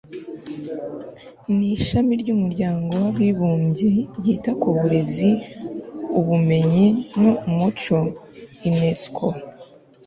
n Ishami ry Umuryango w abibumbye ryita ku burezi ubumenyi n umuco UNESCO